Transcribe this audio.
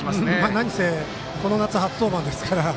なにせ、この夏初登板ですから。